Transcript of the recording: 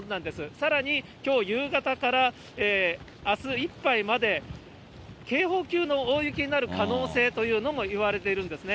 さらにきょう夕方から、あすいっぱいまで、警報級の大雪になる可能性というのもいわれてるんですね。